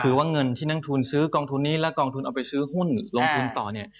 คือว่าเงินที่นักทุนซื้อกองทุนนี้และกองทุนเอาไปซื้อหุ้นลงทุนต่อเนี่ย